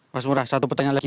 mas murah satu pertanyaan lagi